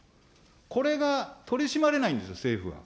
これが取り締まれないんですよ、政府は。